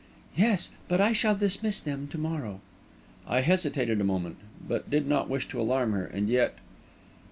"Yes; but I shall dismiss them to morrow." I hesitated a moment. I did not wish to alarm her, and yet....